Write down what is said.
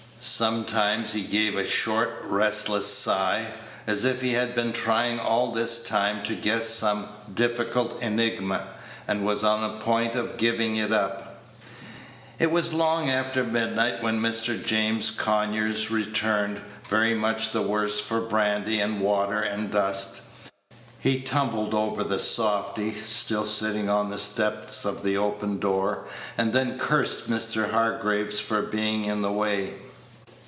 Sometimes he gave a short restless sigh, as if he had been trying all this time to guess some difficult enigma, and was on the point of giving it up. It was long after midnight when Mr. James Page 107 Conyers returned, very much the worse for brandy and water and dust. He tumbled over the softy, still sitting on the step of the open door, and then cursed Mr. Hargraves for being in the way.